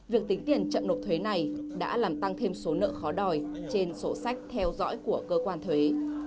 việc tính tiền chậm nộp thuế này đã làm tăng thêm số nợ khó đòi trên sổ sách theo dõi của cơ quan thuế